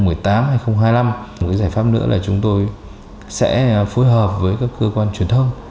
một giải pháp nữa là chúng tôi sẽ phối hợp với các cơ quan truyền thông